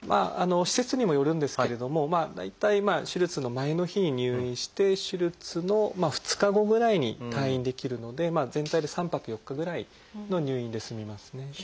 施設にもよるんですけれども大体手術の前の日に入院して手術の２日後ぐらいに退院できるので全体で３泊４日ぐらいの入院で済みますね。